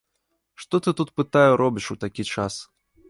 Што ты тут, пытаю, робіш у такі час?